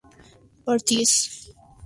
partiese